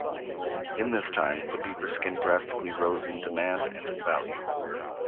In this time, the beaver skin drastically rose in demand and in value.